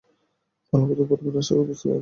ভালোমতো পড়বেন, আশা করি বুঝতে পারবেন।